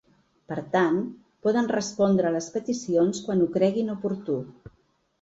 Per tant, poden respondre a les peticions quan ho ‘creguin oportú’.